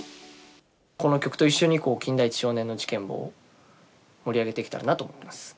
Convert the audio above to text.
この曲と一緒に、金田一少年の事件簿を盛り上げていけたらなと思っています。